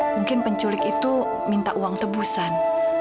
mungkin penculik itu minta uang tebusan